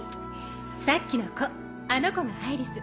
さっきの子あの子がアイリス。